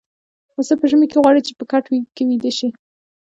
پسه په ژمي کې غواړي چې په کټ کې ويده شي.